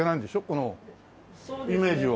このイメージを。